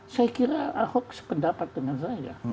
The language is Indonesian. saya kira ahok sependapat dengan saya